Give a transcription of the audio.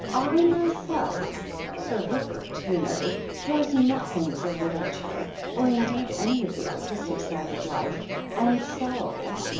... I myself ... Sir Rupert, you know — cares nothing for literature, or indeed any of the artistic side of life, and so